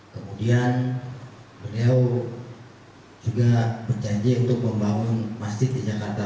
kemudian beliau juga berjanji untuk membangun masjid di jakarta